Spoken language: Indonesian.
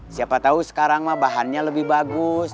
siapa tau sekarang mah bahannya lebih bagus